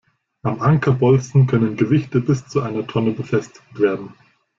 Am Ankerbolzen können Gewichte bis zu einer Tonne befestigt werden.